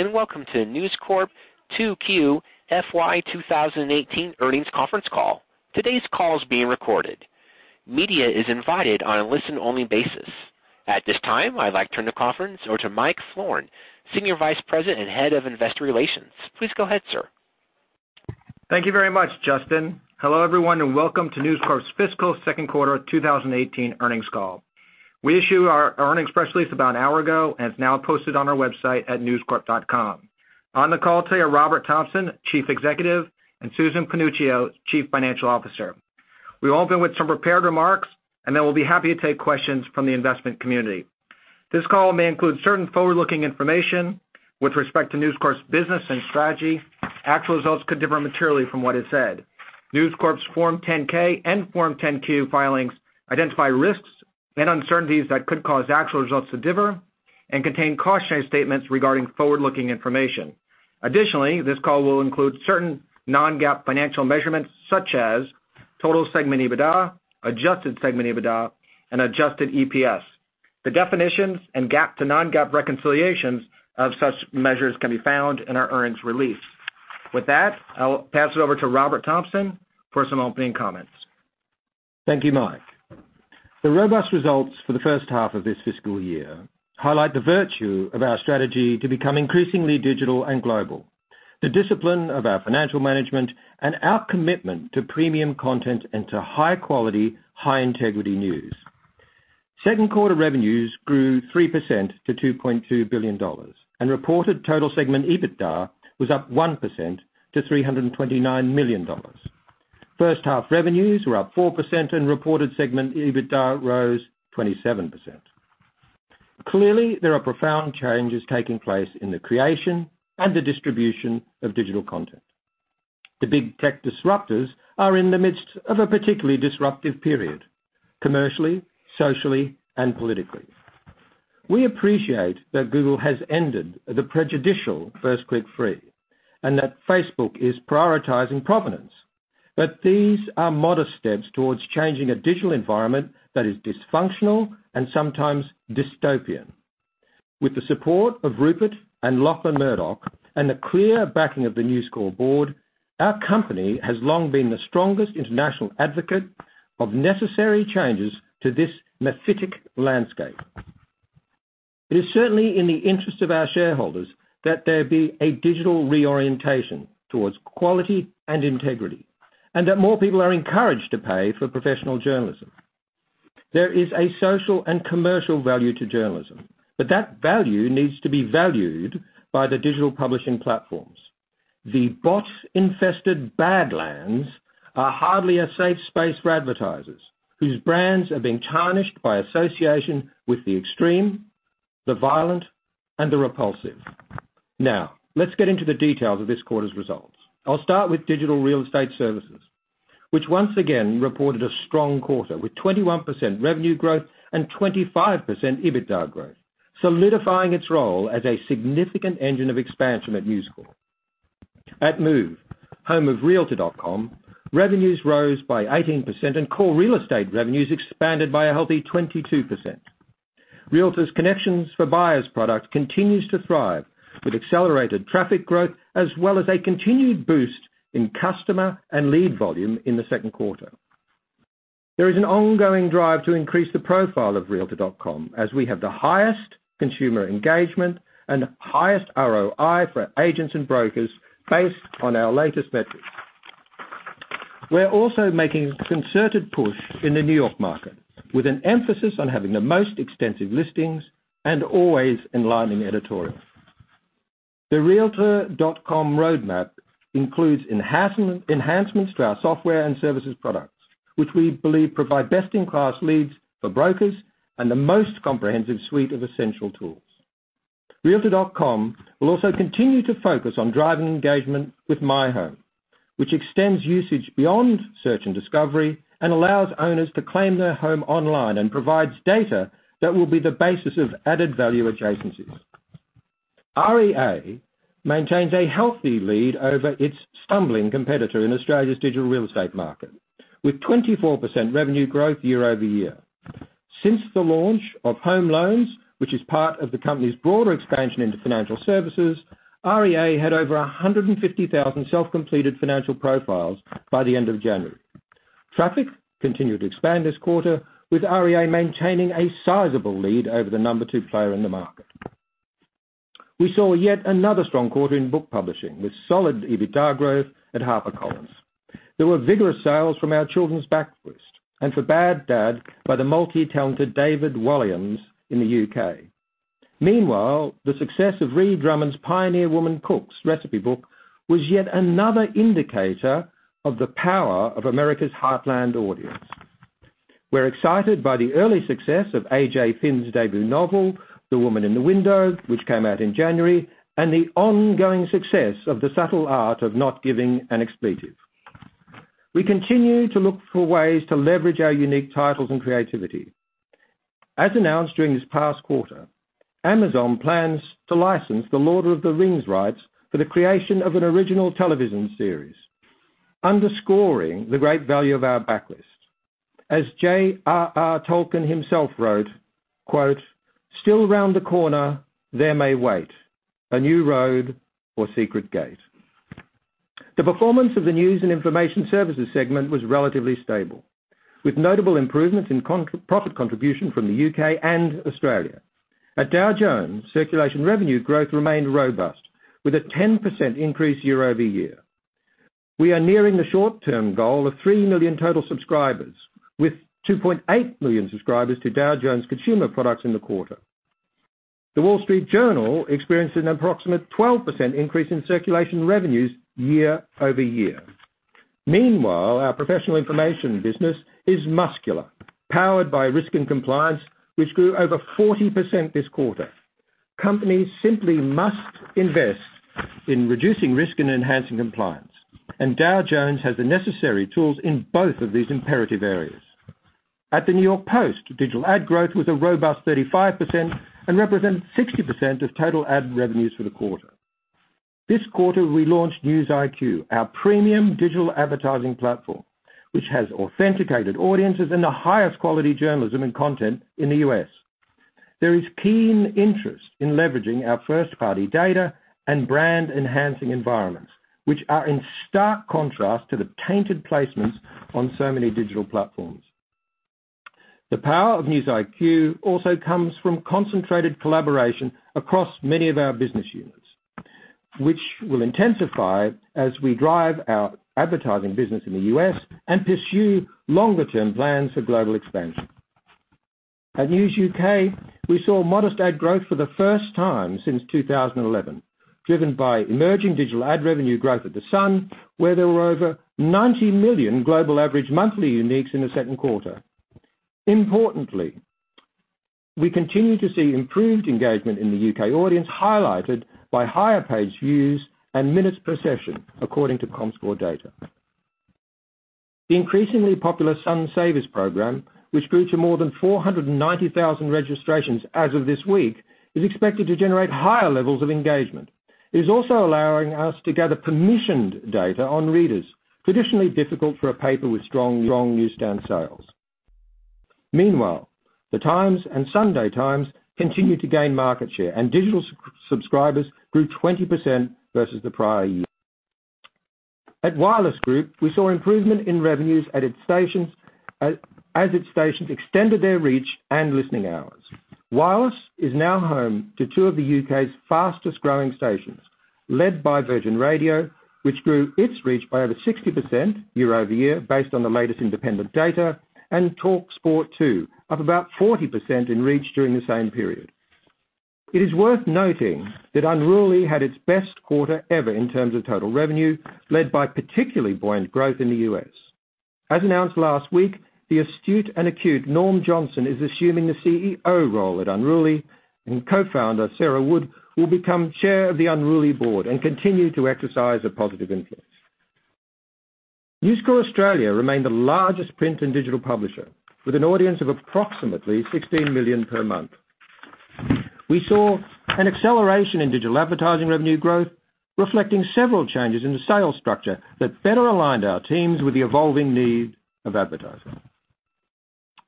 Good day. Welcome to News Corp 2Q FY 2018 earnings conference call. Today's call is being recorded. Media is invited on a listen-only basis. At this time, I'd like to turn the conference over to Mike Florin, Senior Vice President and Head of Investor Relations. Please go ahead, sir. Thank you very much, Justin. Hello, everyone. Welcome to News Corp's fiscal second quarter 2018 earnings call. We issued our earnings press release about an hour ago. It's now posted on our website at newscorp.com. On the call today are Robert Thomson, Chief Executive, and Susan Panuccio, Chief Financial Officer. We'll open with some prepared remarks. Then we'll be happy to take questions from the investment community. This call may include certain forward-looking information with respect to News Corp's business and strategy. Actual results could differ materially from what is said. News Corp's Form 10-K and Form 10-Q filings identify risks and uncertainties that could cause actual results to differ and contain cautionary statements regarding forward-looking information. Additionally, this call will include certain non-GAAP financial measurements such as total segment EBITDA, adjusted segment EBITDA, and adjusted EPS. The definitions and GAAP to non-GAAP reconciliations of such measures can be found in our earnings release. With that, I'll pass it over to Robert Thomson for some opening comments. Thank you, Mike. The robust results for the first half of this fiscal year highlight the virtue of our strategy to become increasingly digital and global, the discipline of our financial management, and our commitment to premium content and to high-quality, high-integrity news. Second quarter revenues grew 3% to $2.2 billion. Reported total segment EBITDA was up 1% to $329 million. First half revenues were up 4%. Reported segment EBITDA rose 27%. Clearly, there are profound changes taking place in the creation and the distribution of digital content. The big tech disruptors are in the midst of a particularly disruptive period, commercially, socially, and politically. We appreciate that Google has ended the prejudicial First Click Free. Facebook is prioritizing provenance. These are modest steps towards changing a digital environment that is dysfunctional and sometimes dystopian. With the support of Rupert and Lachlan Murdoch and the clear backing of the News Corp board, our company has long been the strongest international advocate of necessary changes to this mephitic landscape. It is certainly in the interest of our shareholders that there be a digital reorientation towards quality and integrity, and that more people are encouraged to pay for professional journalism. There is a social and commercial value to journalism, but that value needs to be valued by the digital publishing platforms. The bot-infested badlands are hardly a safe space for advertisers, whose brands are being tarnished by association with the extreme, the violent, and the repulsive. Let's get into the details of this quarter's results. I'll start with digital real estate services, which once again reported a strong quarter, with 21% revenue growth and 25% EBITDA growth, solidifying its role as a significant engine of expansion at News Corp. At Move, home of realtor.com, revenues rose by 18%, and core real estate revenues expanded by a healthy 22%. Connections for Buyers product continues to thrive, with accelerated traffic growth as well as a continued boost in customer and lead volume in the second quarter. There is an ongoing drive to increase the profile of realtor.com, as we have the highest consumer engagement and highest ROI for agents and brokers based on our latest metrics. We're also making a concerted push in the New York market, with an emphasis on having the most extensive listings and always enlightening editorial. The realtor.com roadmap includes enhancements to our software and services products, which we believe provide best-in-class leads for brokers and the most comprehensive suite of essential tools. realtor.com will also continue to focus on driving engagement with My Home, which extends usage beyond search and discovery and allows owners to claim their home online and provides data that will be the basis of added-value adjacencies. REA maintains a healthy lead over its stumbling competitor in Australia's digital real estate market, with 24% revenue growth year-over-year. Since the launch of Home Loans, which is part of the company's broader expansion into financial services, REA had over 150,000 self-completed financial profiles by the end of January. Traffic continued to expand this quarter, with REA maintaining a sizable lead over the number two player in the market. We saw yet another strong quarter in book publishing, with solid EBITDA growth at HarperCollins. There were vigorous sales from our children's backlist and for "Bad Dad" by the multi-talented David Walliams in the U.K. Meanwhile, the success of Ree Drummond's "Pioneer Woman Cooks" recipe book was yet another indicator of the power of America's heartland audience. We're excited by the early success of A.J. Finn's debut novel, "The Woman in the Window," which came out in January, and the ongoing success of "The Subtle Art of Not Giving a F*ck." We continue to look for ways to leverage our unique titles and creativity. As announced during this past quarter, Amazon plans to license "The Lord of the Rings" rights for the creation of an original television series. Underscoring the great value of our backlist. As J.R.R. Tolkien himself wrote, quote, "Still around the corner, there may wait a new road or secret gate." The performance of the news and information services segment was relatively stable, with notable improvements in profit contribution from the U.K. and Australia. At Dow Jones, circulation revenue growth remained robust, with a 10% increase year-over-year. We are nearing the short-term goal of 3 million total subscribers, with 2.8 million subscribers to Dow Jones consumer products in the quarter. The Wall Street Journal experienced an approximate 12% increase in circulation revenues year-over-year. Meanwhile, our professional information business is muscular, powered by Risk & Compliance, which grew over 40% this quarter. Companies simply must invest in reducing risk and enhancing compliance, Dow Jones has the necessary tools in both of these imperative areas. At the New York Post, digital ad growth was a robust 35% and represented 60% of total ad revenues for the quarter. This quarter, we launched News IQ, our premium digital advertising platform, which has authenticated audiences and the highest quality journalism and content in the U.S. There is keen interest in leveraging our first-party data and brand-enhancing environments, which are in stark contrast to the tainted placements on so many digital platforms. The power of News IQ also comes from concentrated collaboration across many of our business units, which will intensify as we drive our advertising business in the U.S. and pursue longer-term plans for global expansion. At News UK, we saw modest ad growth for the first time since 2011, driven by emerging digital ad revenue growth at The Sun, where there were over 90 million global average monthly uniques in the second quarter. Importantly, we continue to see improved engagement in the U.K. audience, highlighted by higher page views and minutes per session, according to Comscore data. The increasingly popular Sun Savers program, which grew to more than 490,000 registrations as of this week, is expected to generate higher levels of engagement. It is also allowing us to gather permissioned data on readers, traditionally difficult for a paper with strong newsstand sales. Meanwhile, The Times and The Sunday Times continue to gain market share, and digital subscribers grew 20% versus the prior year. At Wireless Group, we saw improvement in revenues as its stations extended their reach and listening hours. Wireless is now home to two of the U.K.'s fastest-growing stations, led by Virgin Radio, which grew its reach by over 60% year-over-year, based on the latest independent data, talkSPORT too, up about 40% in reach during the same period. It is worth noting that Unruly had its best quarter ever in terms of total revenue, led by particularly buoyant growth in the U.S. As announced last week, the astute and acute Norm Johnston is assuming the CEO role at Unruly, and co-founder Sarah Wood will become chair of the Unruly board and continue to exercise a positive influence. News Corp Australia remained the largest print and digital publisher, with an audience of approximately 16 million per month. We saw an acceleration in digital advertising revenue growth, reflecting several changes in the sales structure that better aligned our teams with the evolving need of advertisers.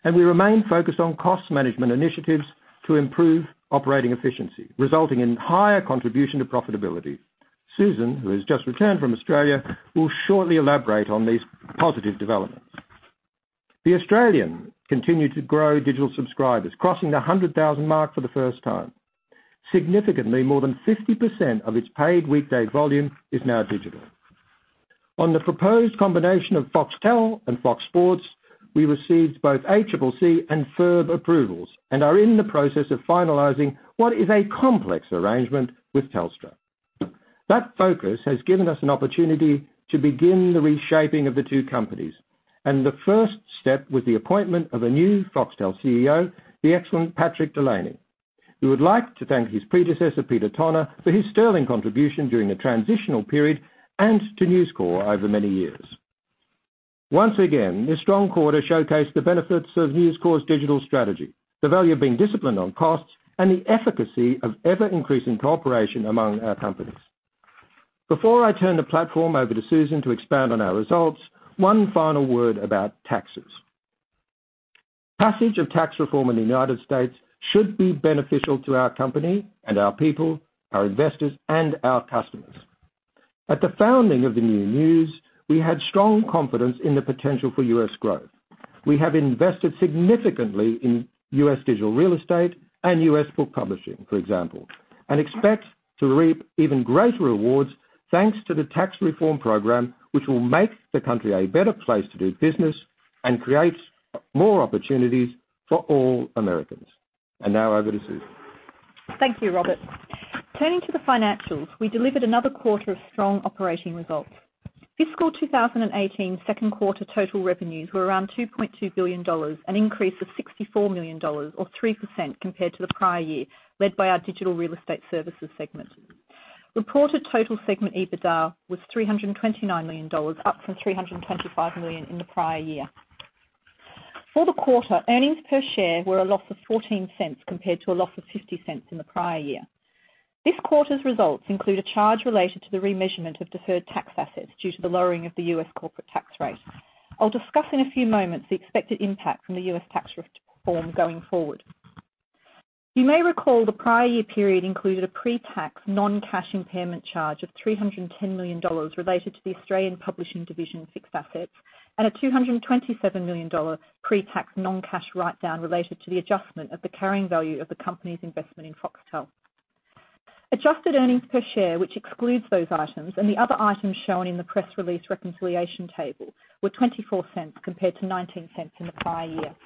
We remain focused on cost management initiatives to improve operating efficiency, resulting in higher contribution to profitability. Susan, who has just returned from Australia, will shortly elaborate on these positive developments. The Australian continued to grow digital subscribers, crossing the 100,000 mark for the first time. Significantly, more than 50% of its paid weekday volume is now digital. On the proposed combination of Foxtel and Fox Sports, we received both ACCC and FIRB approvals and are in the process of finalizing what is a complex arrangement with Telstra. That focus has given us an opportunity to begin the reshaping of the two companies, and the first step was the appointment of a new Foxtel CEO, the excellent Patrick Delany. We would like to thank his predecessor, Peter Tonagh, for his sterling contribution during the transitional period and to News Corp over many years. Once again, this strong quarter showcased the benefits of News Corp's digital strategy, the value of being disciplined on costs, and the efficacy of ever-increasing cooperation among our companies. Before I turn the platform over to Susan to expand on our results, one final word about taxes. Passage of tax reform in the United States should be beneficial to our company and our people, our investors, and our customers. At the founding of the New News, we had strong confidence in the potential for U.S. growth. We have invested significantly in U.S. digital real estate and U.S. book publishing, for example, and expect to reap even greater rewards thanks to the tax reform program, which will make the country a better place to do business and create more opportunities for all Americans. Now, over to Susan. Thank you, Robert. Turning to the financials, we delivered another quarter of strong operating results. Fiscal 2018 second quarter total revenues were around $2.2 billion, an increase of $64 million or 3% compared to the prior year, led by our digital real estate services segment. Reported total segment EBITDA was $329 million, up from $325 million in the prior year. For the quarter, earnings per share were a loss of $0.14 compared to a loss of $0.50 in the prior year. This quarter's results include a charge related to the remeasurement of deferred tax assets due to the lowering of the U.S. corporate tax rate. I'll discuss in a few moments the expected impact from the U.S. tax reform going forward. You may recall the prior year period included a pre-tax non-cash impairment charge of $310 million related to the Australian publishing division fixed assets, and a $227 million pre-tax non-cash write-down related to the adjustment of the carrying value of the company's investment in Foxtel. Adjusted earnings per share, which excludes those items and the other items shown in the press release reconciliation table, were $0.24 compared to $0.19 in the prior year.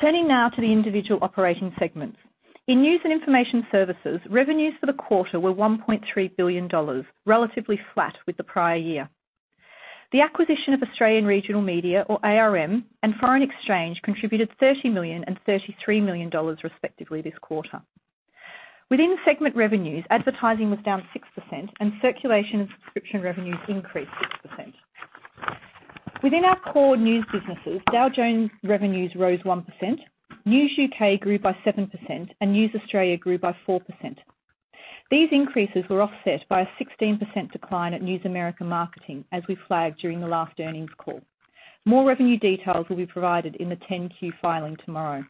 Turning now to the individual operating segments. In news and information services, revenues for the quarter were $1.3 billion, relatively flat with the prior year. The acquisition of Australian Regional Media, or ARM, and Foreign Exchange contributed $30 million and $33 million respectively this quarter. Within segment revenues, advertising was down 6% and circulation and subscription revenues increased 6%. Within our core news businesses, Dow Jones revenues rose 1%, News UK grew by 7%, and News Australia grew by 4%. These increases were offset by a 16% decline at News America Marketing, as we flagged during the last earnings call. More revenue details will be provided in the 10-Q filing tomorrow.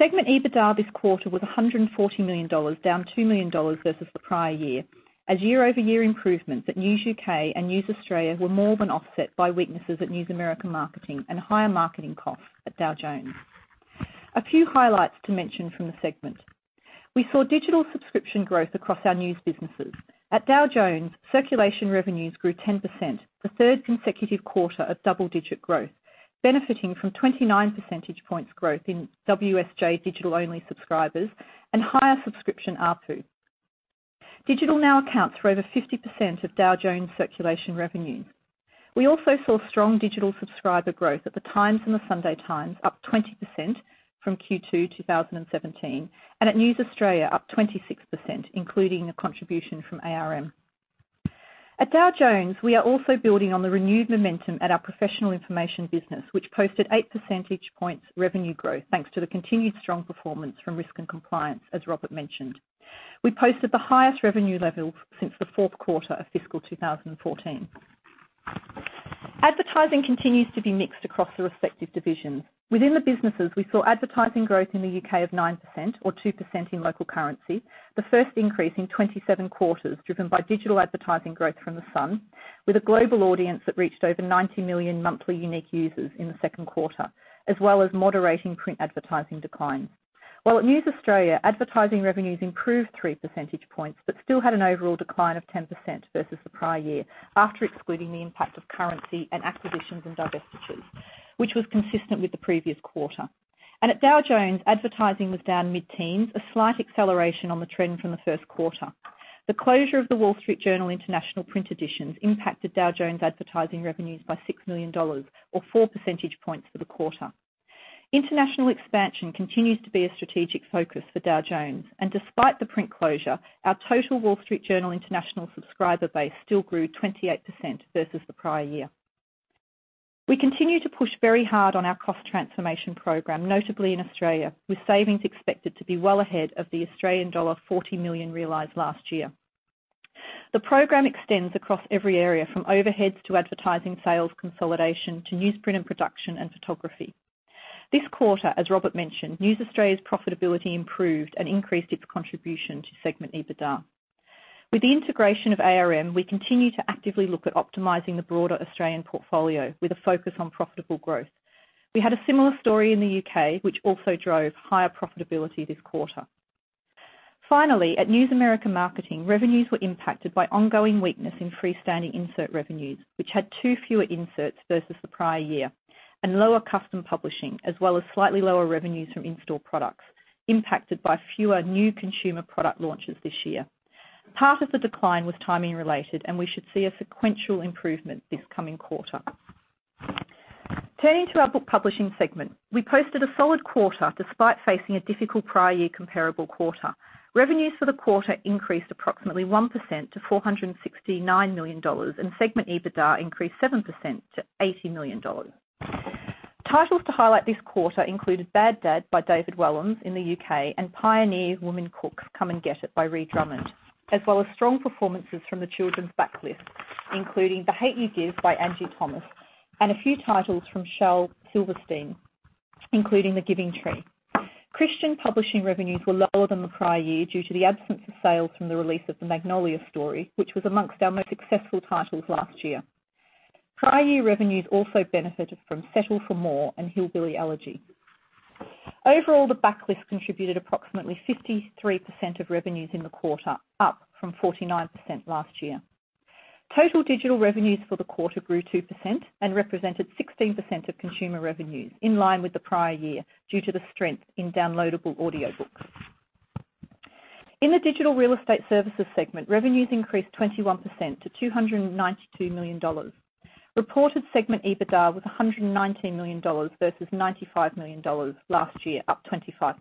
Segment EBITDA this quarter was $140 million, down $2 million versus the prior year, as year-over-year improvements at News UK and News Australia were more than offset by weaknesses at News America Marketing and higher marketing costs at Dow Jones. A few highlights to mention from the segment. We saw digital subscription growth across our news businesses. At Dow Jones, circulation revenues grew 10%, the third consecutive quarter of double-digit growth, benefiting from 29 percentage points growth in WSJ digital-only subscribers and higher subscription ARPU. Digital now accounts for over 50% of Dow Jones circulation revenue. We also saw strong digital subscriber growth at The Times and The Sunday Times, up 20% from Q2 2017, and at News Australia, up 26%, including the contribution from ARM. At Dow Jones, we are also building on the renewed momentum at our professional information business, which posted eight percentage points revenue growth, thanks to the continued strong performance from Risk & Compliance, as Robert mentioned. We posted the highest revenue level since the fourth quarter of fiscal 2014. Advertising continues to be mixed across the respective divisions. Within the businesses, we saw advertising growth in the U.K. of 9% or 2% in local currency, the first increase in 27 quarters, driven by digital advertising growth from The Sun, with a global audience that reached over 90 million monthly unique users in the second quarter, as well as moderating print advertising declines. At News Australia, advertising revenues improved three percentage points, but still had an overall decline of 10% versus the prior year after excluding the impact of currency and acquisitions and divestitures, which was consistent with the previous quarter. At Dow Jones, advertising was down mid-teens, a slight acceleration on the trend from the first quarter. The closure of The Wall Street Journal International print editions impacted Dow Jones' advertising revenues by $6 million or four percentage points for the quarter. International expansion continues to be a strategic focus for Dow Jones, and despite the print closure, our total Wall Street Journal International subscriber base still grew 28% versus the prior year. We continue to push very hard on our cost transformation program, notably in Australia, with savings expected to be well ahead of the Australian dollar 40 million realized last year. The program extends across every area, from overheads to advertising sales consolidation to newsprint and production and photography. This quarter, as Robert mentioned, News Australia's profitability improved and increased its contribution to segment EBITDA. With the integration of ARM, we continue to actively look at optimizing the broader Australian portfolio with a focus on profitable growth. We had a similar story in the U.K., which also drove higher profitability this quarter. Finally, at News America Marketing, revenues were impacted by ongoing weakness in free-standing insert revenues, which had two fewer inserts versus the prior year, and lower custom publishing, as well as slightly lower revenues from in-store products impacted by fewer new consumer product launches this year. Part of the decline was timing related, and we should see a sequential improvement this coming quarter. Turning to our book publishing segment. We posted a solid quarter despite facing a difficult prior year comparable quarter. Revenues for the quarter increased approximately 1% to $469 million, and segment EBITDA increased 7% to $80 million. Titles to highlight this quarter included "Bad Dad" by David Walliams in the U.K. and "Pioneer Woman Cooks: Come & Get It" by Ree Drummond, as well as strong performances from the children's backlist, including "The Hate U Give" by Angie Thomas and a few titles from Shel Silverstein, including "The Giving Tree." Christian publishing revenues were lower than the prior year due to the absence of sales from the release of "The Magnolia Story," which was amongst our most successful titles last year. Prior year revenues also benefited from "Settle for More" and "Hillbilly Elegy." Overall, the backlist contributed approximately 53% of revenues in the quarter, up from 49% last year. Total digital revenues for the quarter grew 2% and represented 16% of consumer revenues, in line with the prior year due to the strength in downloadable audiobooks. In the digital real estate services segment, revenues increased 21% to $292 million. Reported segment EBITDA was $119 million versus $95 million last year, up 25%.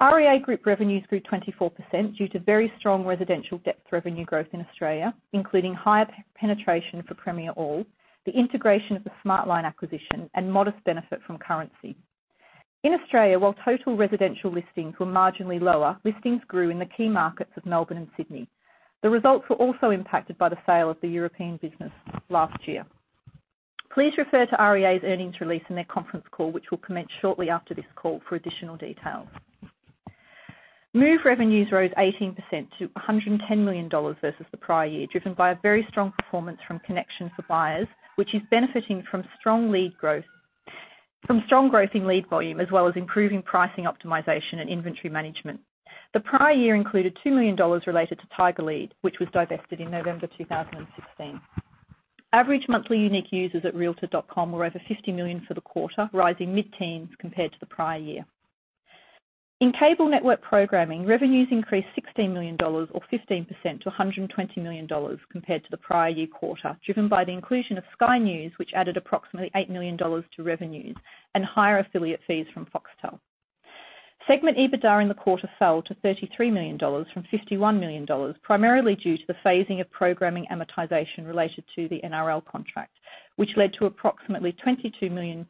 REA Group revenues grew 24% due to very strong residential depth revenue growth in Australia, including higher penetration for Premier All, the integration of the Smartline acquisition, and modest benefit from currency. In Australia, while total residential listings were marginally lower, listings grew in the key markets of Melbourne and Sydney. The results were also impacted by the sale of the European business last year. Please refer to REA's earnings release and their conference call, which will commence shortly after this call for additional details. Move revenues rose 18% to $110 million versus the prior year, driven by a very strong performance from Connections for Buyers, which is benefiting from strong growth in lead volume as well as improving pricing optimization and inventory management. The prior year included $2 million related to TigerLead, which was divested in November 2016. Average monthly unique users at realtor.com were over 50 million for the quarter, rising mid-teens compared to the prior year. In cable network programming, revenues increased $16 million or 15% to $120 million compared to the prior year quarter, driven by the inclusion of Sky News, which added approximately $8 million to revenues and higher affiliate fees from Foxtel. Segment EBITDA in the quarter fell to $33 million from $51 million, primarily due to the phasing of programming amortization related to the NRL contract, which led to approximately $22 million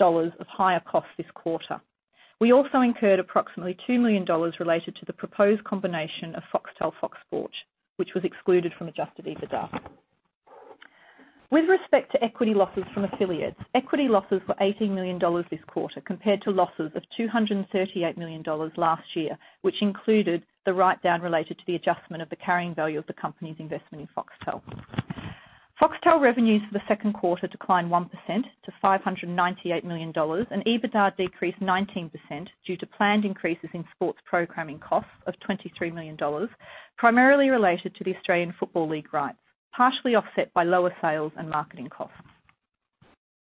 of higher costs this quarter. We also incurred approximately $2 million related to the proposed combination of Foxtel, Fox Sports, which was excluded from adjusted EBITDA. With respect to equity losses from affiliates, equity losses were $18 million this quarter, compared to losses of $238 million last year, which included the write-down related to the adjustment of the carrying value of the company's investment in Foxtel. Foxtel revenues for the second quarter declined 1% to $598 million, and EBITDA decreased 19% due to planned increases in sports programming costs of $23 million, primarily related to the Australian Football League rights, partially offset by lower sales and marketing costs.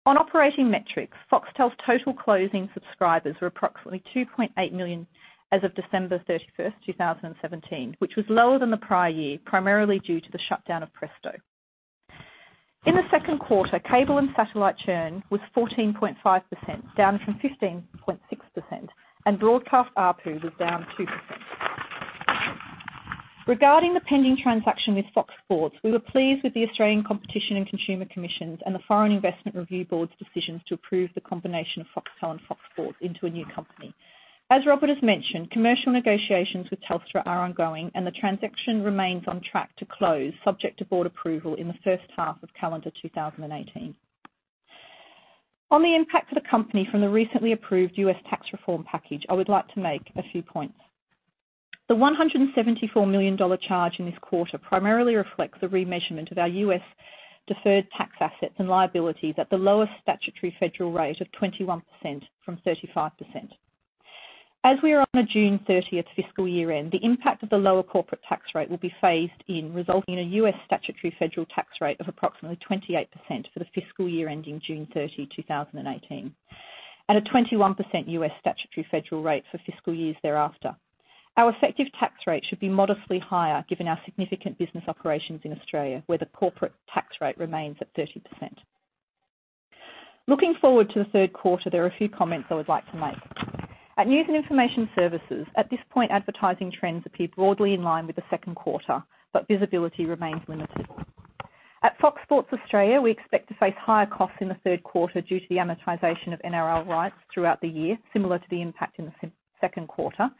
On operating metrics, Foxtel's total closing subscribers were approximately 2.8 million as of December 31st, 2017, which was lower than the prior year, primarily due to the shutdown of Presto. In the second quarter, cable and satellite churn was 14.5%, down from 15.6%, and broadcast ARPU was down 2%. Regarding the pending transaction with Fox Sports, we were pleased with the Australian Competition and Consumer Commission's and the Foreign Investment Review Board's decisions to approve the combination of Foxtel and Fox Sports into a new company. As Robert has mentioned, commercial negotiations with Telstra are ongoing, and the transaction remains on track to close, subject to board approval in the first half of calendar 2018. On the impact to the company from the recently approved U.S. tax reform package, I would like to make a few points. The $174 million charge in this quarter primarily reflects the remeasurement of our U.S. deferred tax assets and liabilities at the lowest statutory federal rate of 21% from 35%. As we are on a June 30th fiscal year end, the impact of the lower corporate tax rate will be phased in, resulting in a U.S. statutory federal tax rate of approximately 28% for the fiscal year ending June 30, 2018, and a 21% U.S. statutory federal rate for fiscal years thereafter. Our effective tax rate should be modestly higher given our significant business operations in Australia, where the corporate tax rate remains at 30%. Looking forward to the third quarter, there are a few comments I would like to make. At News & Information Services, at this point, advertising trends appear broadly in line with the second quarter, but visibility remains limited. At Fox Sports Australia, we expect to face higher costs in the third quarter due to the amortization of NRL rights throughout the year, similar to the impact in the second quarter.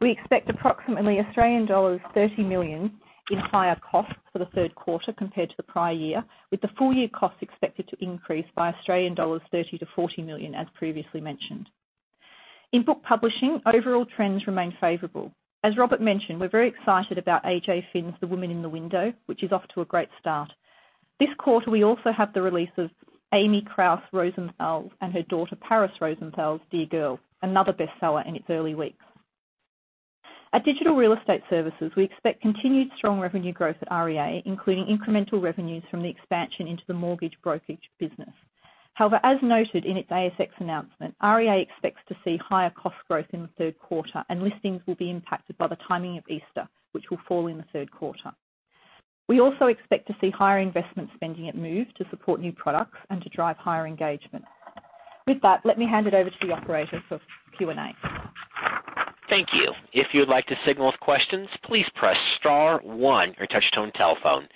We expect approximately Australian dollars 30 million in higher costs for the third quarter compared to the prior year, with the full-year costs expected to increase by 30 million-40 million Australian dollars, as previously mentioned. In book publishing, overall trends remain favorable. As Robert mentioned, we're very excited about AJ Finn's "The Woman in the Window," which is off to a great start. This quarter, we also have the release of Amy Krouse Rosenthal and her daughter, Paris Rosenthal's "Dear Girl," another bestseller in its early weeks. At Digital Real Estate Services, we expect continued strong revenue growth at REA, including incremental revenues from the expansion into the mortgage brokerage business. However, as noted in its ASX announcement, REA expects to see higher cost growth in the third quarter, and listings will be impacted by the timing of Easter, which will fall in the third quarter. We also expect to see higher investment spending at Move to support new products and to drive higher engagement. With that, let me hand it over to the operator for Q&A. Thank you. If you would like to signal with questions, please press star one on your touch-tone telephone.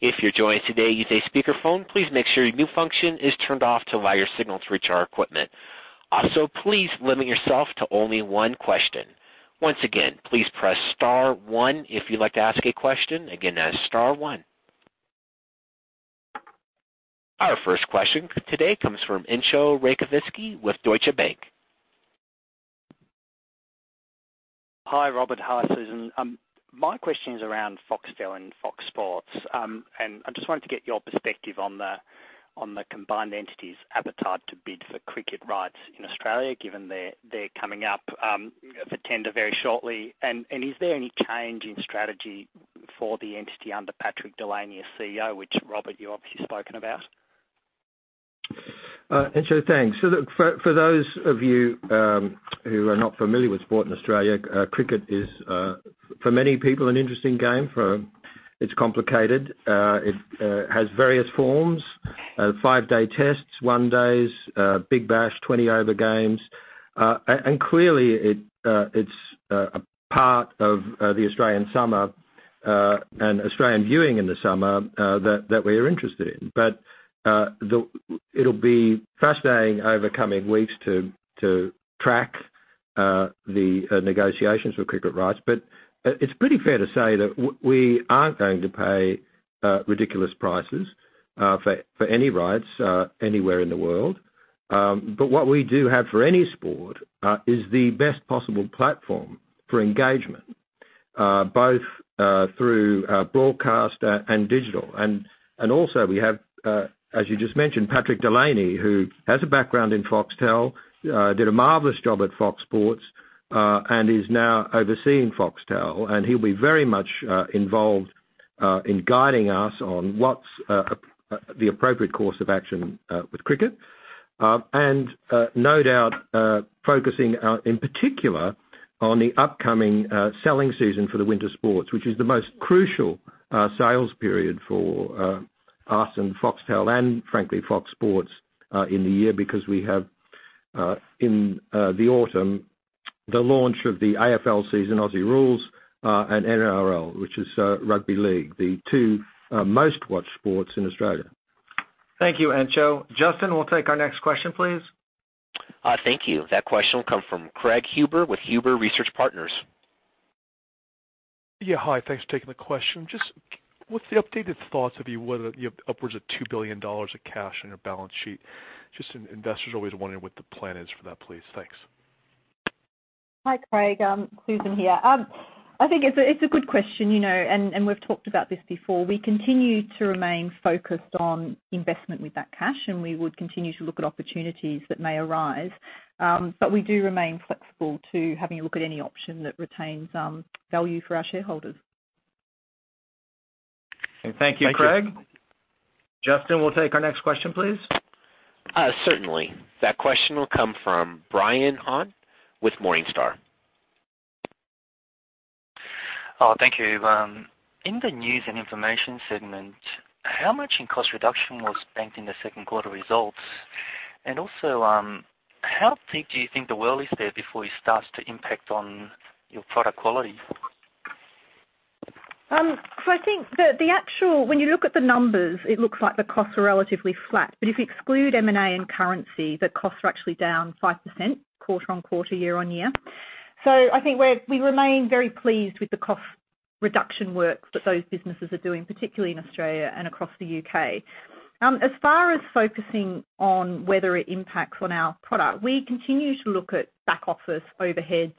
If you're joined today using a speakerphone, please make sure your mute function is turned off to allow your signal to reach our equipment. Also, please limit yourself to only one question. Once again, please press star one if you'd like to ask a question. Again, that is star one. Our first question today comes from Entcho Raykovski with Deutsche Bank. Hi, Robert. Hi, Susan. My question is around Foxtel and Fox Sports. I just wanted to get your perspective on the combined entity's appetite to bid for cricket rights in Australia, given they're coming up for tender very shortly. Is there any change in strategy for the entity under Patrick Delany as CEO, which, Robert, you obviously spoken about? Entcho, thanks. For those of you who are not familiar with sport in Australia, cricket is, for many people, an interesting game for It's complicated. It has various forms, five-day tests, one-days, Big Bash, 20-over games. Clearly it's a part of the Australian summer and Australian viewing in the summer that we're interested in. It'll be fascinating over coming weeks to track the negotiations for cricket rights. It's pretty fair to say that we aren't going to pay ridiculous prices for any rights, anywhere in the world. What we do have for any sport is the best possible platform for engagement, both through broadcast and digital. Also we have, as you just mentioned, Patrick Delany, who has a background in Foxtel, did a marvelous job at Fox Sports, and is now overseeing Foxtel, and he'll be very much involved in guiding us on what's the appropriate course of action with cricket. No doubt, focusing in particular on the upcoming selling season for the winter sports, which is the most crucial sales period for us and Foxtel and, frankly, Fox Sports, in the year, because we have, in the autumn, the launch of the AFL season, Aussie Rules, and NRL, which is Rugby League, the two most watched sports in Australia. Thank you, Entcho. Justin, we'll take our next question, please. Thank you. That question will come from Craig Huber with Huber Research Partners. Yeah, hi. Thanks for taking the question. Just what's the updated thoughts of you whether you have upwards of $2 billion of cash on your balance sheet? Just investors are always wondering what the plan is for that, please. Thanks. Hi, Craig. Susan here. I think it's a good question, we've talked about this before. We continue to remain focused on investment with that cash, we would continue to look at opportunities that may arise. We do remain flexible to having a look at any option that retains value for our shareholders. Thank you. Thank you, Craig. Justin, we'll take our next question, please. Certainly. That question will come from Brian Han with Morningstar. Oh, thank you. In the News and Information segment, how much in cost reduction was spent in the second quarter results? Also, how thick do you think the well is there before it starts to impact on your product quality? I think when you look at the numbers, it looks like the costs are relatively flat. If you exclude M&A and currency, the costs are actually down 5% quarter-on-quarter, year-on-year. I think we remain very pleased with the cost reduction works that those businesses are doing, particularly in Australia and across the U.K. As far as focusing on whether it impacts on our product, we continue to look at back office overheads,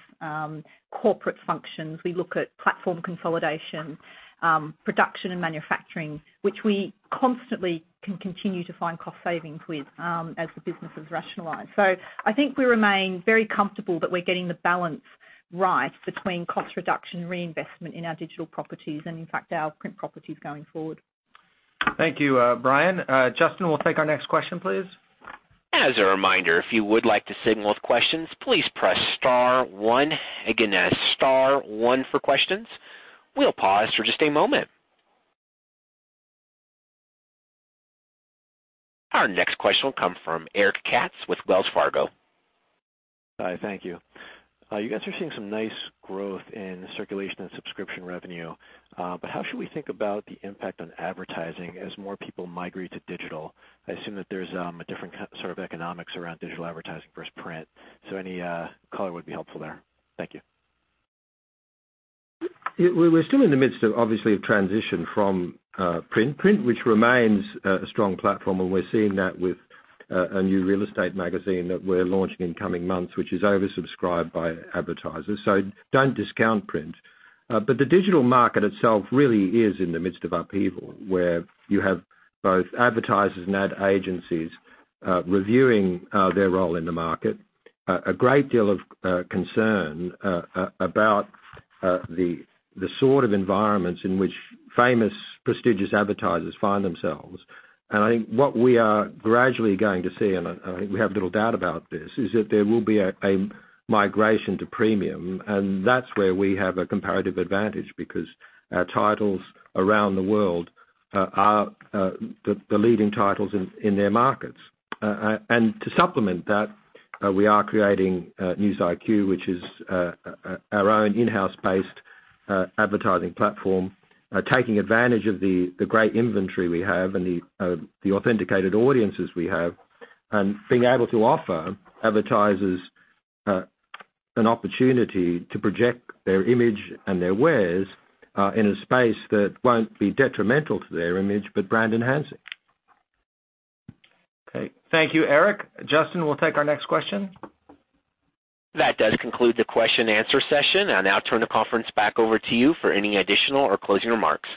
corporate functions. We look at platform consolidation, production and manufacturing, which we constantly can continue to find cost savings with, as the business is rationalized. I think we remain very comfortable that we are getting the balance right between cost reduction, reinvestment in our digital properties, and in fact, our print properties going forward. Thank you, Brian. Justin, we will take our next question, please. As a reminder, if you would like to signal with questions, please press star one. Again, star one for questions. We will pause for just a moment. Our next question will come from Eric Katz with Wells Fargo. Hi. Thank you. You guys are seeing some nice growth in circulation and subscription revenue, how should we think about the impact on advertising as more people migrate to digital? I assume that there is a different sort of economics around digital advertising versus print. Any color would be helpful there. Thank you. We're still in the midst of, obviously, a transition from print. Print, which remains a strong platform, and we're seeing that with a new real estate magazine that we're launching in coming months, which is oversubscribed by advertisers. Don't discount print. The digital market itself really is in the midst of upheaval, where you have both advertisers and ad agencies reviewing their role in the market. A great deal of concern about the sort of environments in which famous, prestigious advertisers find themselves. I think what we are gradually going to see, and I think we have little doubt about this, is that there will be a migration to premium, and that's where we have a comparative advantage because our titles around the world are the leading titles in their markets. To supplement that, we are creating News IQ, which is our own in-house based advertising platform, taking advantage of the great inventory we have and the authenticated audiences we have, and being able to offer advertisers an opportunity to project their image and their wares in a space that won't be detrimental to their image, but brand enhancing. Okay. Thank you, Eric. Justin, we'll take our next question. That does conclude the question and answer session. I'll now turn the conference back over to you for any additional or closing remarks.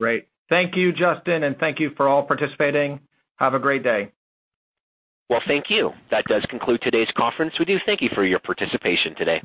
Great. Thank you, Justin, and thank you for all participating. Have a great day. Well, thank you. That does conclude today's conference with you. Thank you for your participation today.